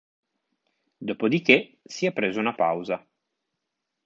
Dopodiché si è preso una pausa.